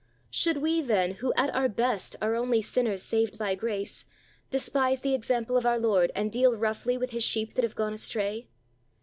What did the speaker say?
Should we, then, who at our best are only "sinners saved by grace," despise the example of our Lord and deal roughly with His sheep that have gone astray?